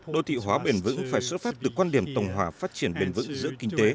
đô thị hóa bền vững phải xuất phát từ quan điểm tổng hòa phát triển bền vững giữa kinh tế